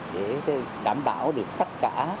để đảm bảo được tất cả